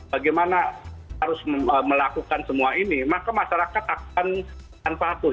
bagaimana harus melakukan semua ini maka masyarakat akan tanpa pun